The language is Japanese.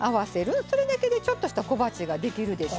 それだけでちょっとした小鉢ができるでしょ。